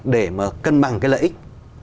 để mà cân bằng cái lợi ích